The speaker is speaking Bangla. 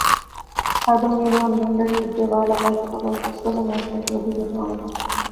হারবাং ইউনিয়নের ভান্ডারির ডেবা এলাকায় চট্টগ্রাম কক্সবাজার মহাসড়কে এ দুর্ঘটনা ঘটে।